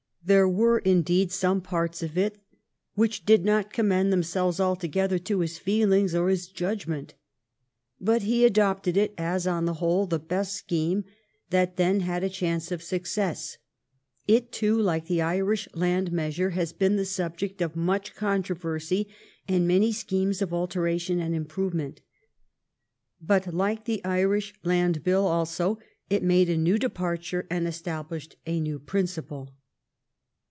There were, indeed, some parts of it which did not commend themselves altogether to his feel ings or his judgment. But he adopted it as, on the whole, the best scheme that then had a chance of success. It, too, like the Irish land measure, has been the subject of much contro versy and many schemes of alteration and improve ment. But, like the Irish Land Bill also, it made a new departure and established a new principle.